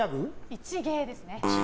一芸ですね。